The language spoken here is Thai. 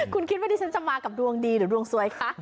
คุณคิดว่าดิฉันจะมากับดวงดีหรือดวงสวยคะ